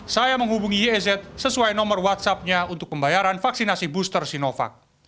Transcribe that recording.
saya menghubungi yezet sesuai nomor whatsappnya untuk pembayaran vaksinasi booster sinovac